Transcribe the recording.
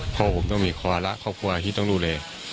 พ่อผมต้องมีวาระครอบครัวที่ต้องดูแล